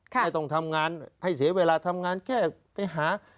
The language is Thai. ไม่ต้องทำงานให้เสียเวลาทำงานแค่ไปหา